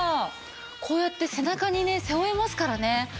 こうやって背中にね背負えますからね。